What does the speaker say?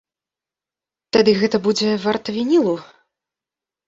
Тады гэта будзе варта вінілу.